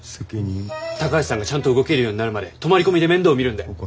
高橋さんがちゃんと動けるようになるまで泊まり込みで面倒見るんで。